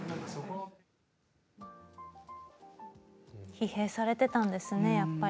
疲弊されていたんですねやっぱり。